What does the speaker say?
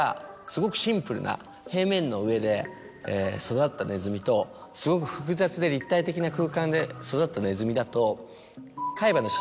すごくシンプルな平面の上で育ったネズミとすごく複雑で立体的な空間で育ったネズミだと。